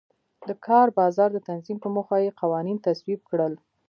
د کار بازار د تنظیم په موخه یې قوانین تصویب کړل.